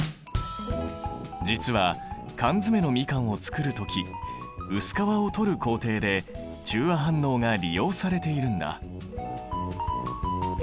実は缶詰のみかんを作る時薄皮を取る工程で中和反応が利用されているんだ。